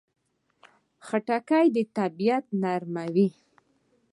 خټکی د طبعیت نرموي.